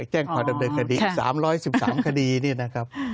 แจ้งขอดำเนินคดีสามร้อยสิบสามคดีนี่นะครับ